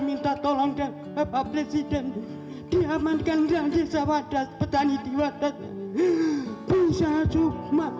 minta tolong dan bapak presiden diamankan dan desa wadah petani di wadah bisa cuma